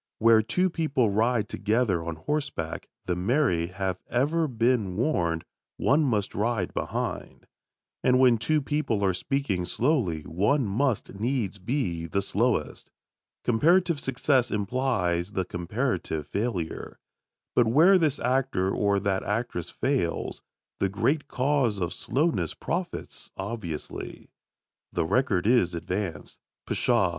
Where two people ride together on horseback, the married have ever been warned, one must ride behind. And when two people are speaking slowly one must needs be the slowest. Comparative success implies the comparative failure. But where this actor or that actress fails, the great cause of slowness profits, obviously. The record is advanced. Pshaw!